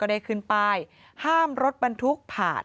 ก็ได้ขึ้นไปห้ามรถบันทุกข์ป่าน